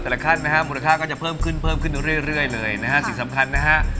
แต่ละขั้นนะฮะมูลค่าก็จะเพิ่มขึ้นเรื่อยเลยนะฮะสิ่งสำคัญนะฮะ